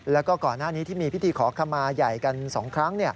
แล้วก็ก่อนหน้านี้ที่มีพิธีขอขมาใหญ่กัน๒ครั้ง